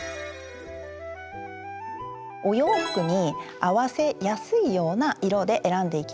お洋服に合わせやすいような色で選んでいきました。